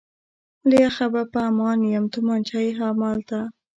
له یخه به په امان یم، تومانچه یې همالته.